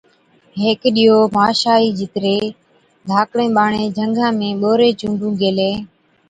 هيڪ ڏِيئو ماشائِي جِترين ڌاڪڙين ٻاڙين، جھنگا ۾ ٻورين چُونڊُون گيلين۔